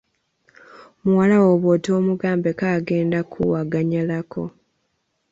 Muwala wo bw'otoomugambeko, agenda kkuwaganyalako.